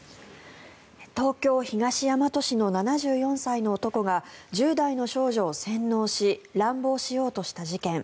東京・東大和市の７４歳の男が１０代の少女を洗脳し乱暴しようとした事件。